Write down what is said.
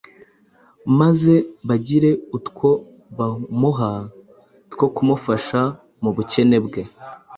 maze bagire utwo bamuha two kumufasha mu bukene bwe.